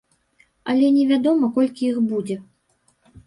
Але невядома, колькі іх будзе.